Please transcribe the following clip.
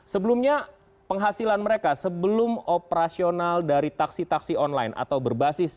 sebelumnya penghasilan mereka sebelum operasional dari taksi taksi online atau berbasis